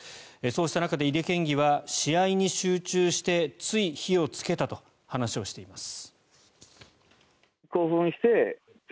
そうした中で井手県議は試合に集中してつい火をつけたと話をしています。